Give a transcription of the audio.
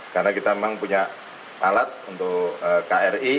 karena kita memang punya alat untuk kri